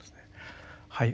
はい。